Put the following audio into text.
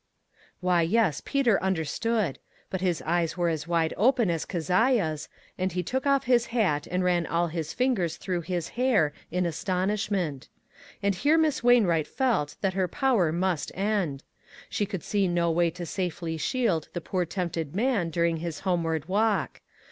Why, yes, Peter understood ; but his eyes were as wide open as Keziah's, and he took off his hat and ran all his fingers through his hair in astonishment. And here Miss Wainwright felt that her power must end. She could see no way to safely shield the poor tempted man during his homeward walk.